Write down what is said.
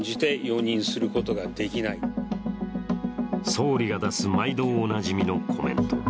総理が出す毎度おなじみのコメント。